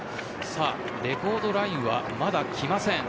レコードラインはまだきません。